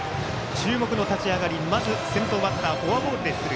注目の立ち上がり、まず先頭バッターフォアボールで出塁。